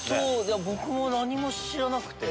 僕も何も知らなくて。